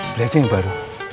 beli aja yang baru